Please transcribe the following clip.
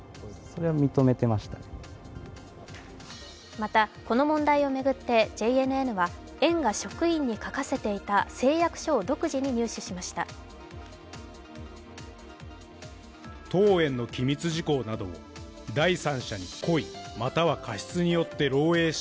また、この問題を巡ってＪＮＮは園が職員に書かせていた誓約書を独自に入手しました。